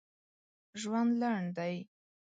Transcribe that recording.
ژوند لنډ دی